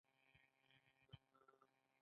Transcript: دا مجموعه د ژبې لپاره یوه پېړۍ جوړوي.